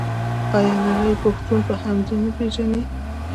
آیا نړۍ پښتون په همدې نه پیژني؟